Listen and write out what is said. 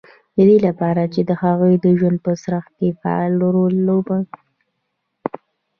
د دې لپاره چې د هغوی د ژوند په څرخ کې فعال رول ولوبوي